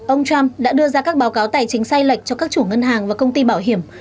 ông trump đã đưa ra các báo cáo tài chính say lệch cho các công ty bảo hiểm